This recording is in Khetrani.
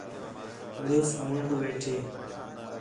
مُݨس منڈھ ویٹھے